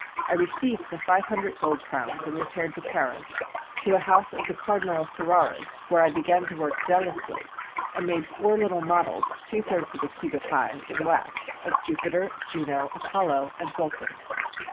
I received the five hundred gold crowns and repaired to Paris, to a house of the Cardinal of Ferrara's, where I began to work zealously, and made four little models two thirds of a cubit high, in wax, of Jupiter, Juno, Apollo, and Vulcan.